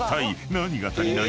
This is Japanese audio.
何が足りない？